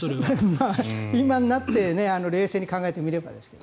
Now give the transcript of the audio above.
まあ、今になって冷静に考えてみればですが。